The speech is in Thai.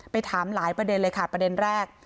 ถามหลายประเด็นเลยค่ะประเด็นแรก